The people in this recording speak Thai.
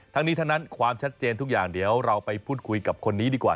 ทั้งนี้ทั้งนั้นความชัดเจนทุกอย่างเดี๋ยวเราไปพูดคุยกับคนนี้ดีกว่า